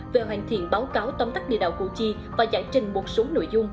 về hoàn thiện báo cáo tóm tắt địa đạo củ chi và giải trình một số nội dung